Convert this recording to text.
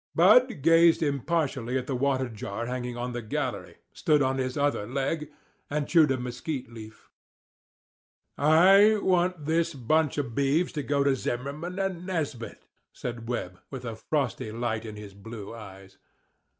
Bud gazed impartially at the water jar hanging on the gallery, stood on his other leg, and chewed a mesquite leaf. "I want this bunch of beeves to go to Zimmerman and Nesbit," said Webb, with a frosty light in his blue eyes.